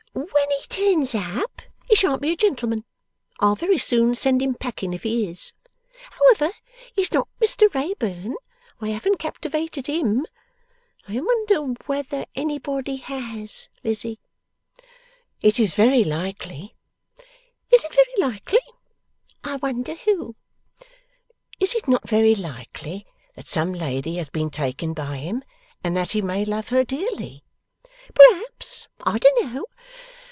'When He turns up, he shan't be a gentleman; I'll very soon send him packing, if he is. However, he's not Mr Wrayburn; I haven't captivated HIM. I wonder whether anybody has, Lizzie!' 'It is very likely.' 'Is it very likely? I wonder who!' 'Is it not very likely that some lady has been taken by him, and that he may love her dearly?' 'Perhaps. I don't know.